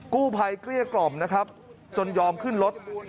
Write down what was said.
กู้ภัยเกลี้ยกรอบนะครับจนยอมขึ้นรถ